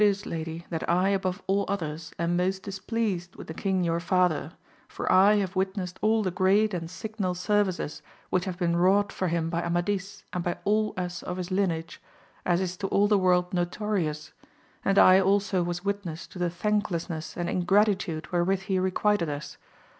s lady, that I above all others AMADIS OF GAUL. 87 am most displeased with the king your father, for I have witnessed all the great and signal services which have been wrought for him by Amadis and by all us of his lineage, as is to all the world notorious, and I also was witness to the thanklessness and ingratitude wherewith he requited us.